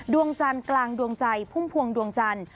ดวงจันทร์กลางดวงใจพุ่มพวงดวงจันทร์